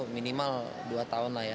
minimal dua tahun lah ya